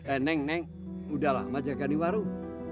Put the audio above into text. eh neng neng udah lama jagain warung